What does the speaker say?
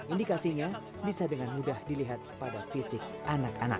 indikasinya bisa dengan mudah dilihat pada fisik anak anak